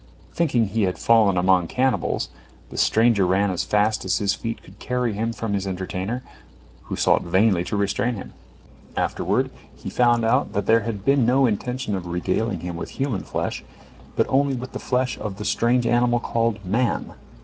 Thinking he had fallen among cannibals, the stranger ran as fast as his feet could carry him from his entertainer, who sought vainly to restrain him. Afterward, he found out that there had been no intention of regaling him with human flesh, but only with the flesh of the strange animal called "man."